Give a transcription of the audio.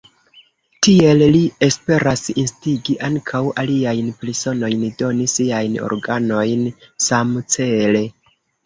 Tiel li esperas instigi ankaŭ aliajn personojn doni siajn organojn samcele.